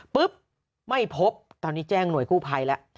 ปุ๊บไม่พบตอนนี้แจ้งหน่วยกู้ภัยแล้ว